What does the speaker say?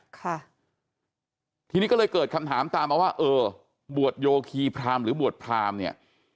ค่ะทีนี้ก็เลยเกิดคำถามตามมาว่าเออบวชโยคีพรามหรือบวชพรามเนี่ย